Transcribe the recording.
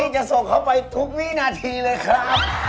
เจ็ดละครับ